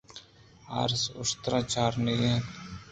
ھارس اشتراں چارینگ ءَ اَت۔